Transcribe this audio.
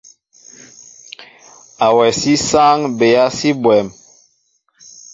Awasí sááŋ bɛa si bwéém.